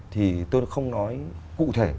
thì tôi không nói cụ thể